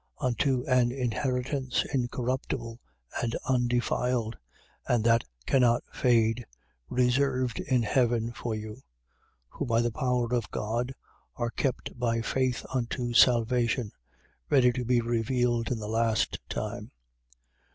Unto an inheritance, incorruptible, and undefiled and that cannot fade, reserved in heaven for you, 1:5. Who, by the power of God, are kept by faith unto salvation, ready to be revealed in the last time.